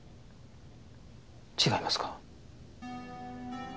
違いますか？